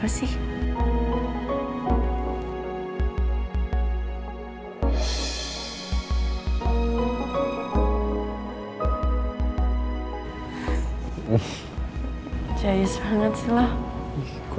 ada kejutan lain buat lo